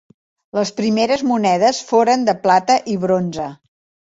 Les primeres monedes foren de plata i bronze.